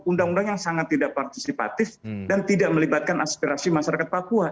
undang undang yang sangat tidak partisipatif dan tidak melibatkan aspirasi masyarakat papua